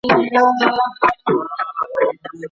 ساینس پوهنځۍ بې پوښتني نه منل کیږي.